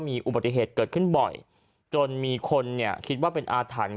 มีอุบัติเหตุเกิดขึ้นบ่อยจนมีคนเนี่ยคิดว่าเป็นอาถรรพ์